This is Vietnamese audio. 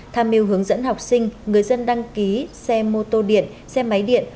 tham mưu hướng dẫn học sinh người dân đăng ký xe mô tô điện xe máy điện